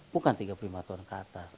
bukan tiga puluh lima tahun ke atas